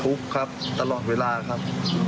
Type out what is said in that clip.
ทุกข์ครับตลอดเวลาครับ